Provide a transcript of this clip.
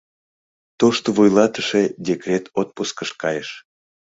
Тошто вуйлатыше декрет отпускыш кайыш.